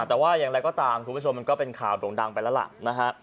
แต่ว่าอย่างไรก็ตามคุณผู้ชมมันก็เป็นข่าวโด่งดังไปแล้วล่ะนะฮะ